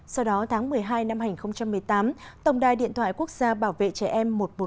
sau đó tháng một mươi hai năm hai nghìn một mươi tám tổng đài điện thoại quốc gia bảo vệ trẻ em một trăm một mươi một